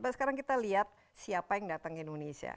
sekarang kita lihat siapa yang datang ke indonesia